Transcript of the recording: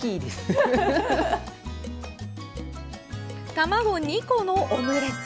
卵２個のオムレツ。